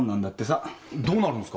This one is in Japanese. どうなるんすか？